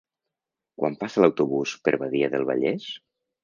Quan passa l'autobús per Badia del Vallès?